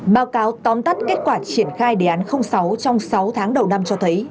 báo cáo tóm tắt kết quả triển khai đề án sáu trong sáu tháng đầu năm cho thấy